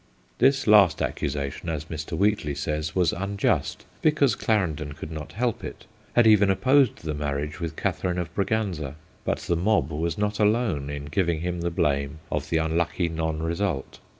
' 20 THE GHOSTS OF PICCADILLY This last accusation, as Mr. Wheatley says, was unjust, because Clarendon could not help it, had even opposed the marriage with Catherine of Braganza. But the mob was not alone in giving him the blame of the unlucky non result.